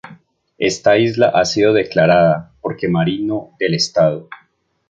Esta isla ha sido declarada "Parque Marino del Estado".